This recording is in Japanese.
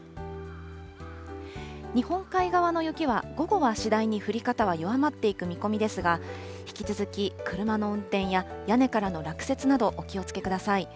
日本海側の雪は午後は次第に降り方は弱まっていく見込みですが、引き続き車の運転や屋根からの落雪などお気をつけください。